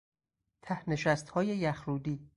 ته نشستهای یخرودی